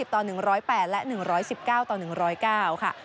ต่อ๑๐๘และ๑๑๙ต่อ๑๐๙ค่ะ